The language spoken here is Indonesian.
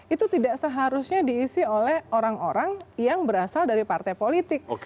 itu tidak seharusnya diisi oleh orang orang yang berasal dari partai politik